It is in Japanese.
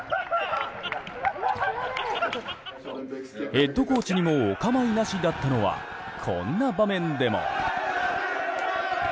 ヘッドコーチにもお構いなしだったのはこんな場面でも。